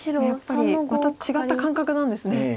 やっぱりまた違った感覚なんですね。